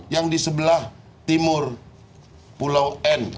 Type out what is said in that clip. yang di sebelah timur pulau n